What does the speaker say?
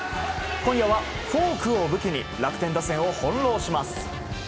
今夜はフォークを武器に楽天打線を翻弄します。